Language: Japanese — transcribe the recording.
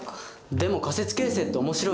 でも仮説形成って面白いね。